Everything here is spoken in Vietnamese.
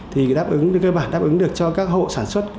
thì đáp ứng cơ bản đáp ứng được cho các hộ sản xuất